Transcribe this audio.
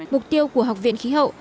mục tiêu của học viện khí hậu